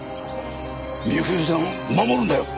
美冬さんを守るんだよ。